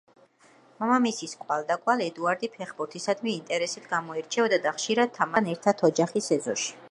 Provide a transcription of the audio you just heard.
მამამისის კვალდაკვალ, ედუარდი ფეხბურთისადმი ინტერესით გამოირჩეოდა და ხშირად თამაშობდა ფეხბურთს ძმებთან ერთად ოჯახის ეზოში.